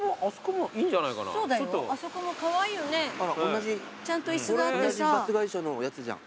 同じバス会社のやつじゃん。